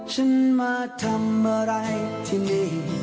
ฉันมาทำอะไรที่นี่